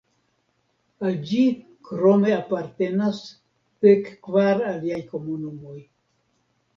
Al ĝi krome apartenas dek-kvar aliaj komunumoj.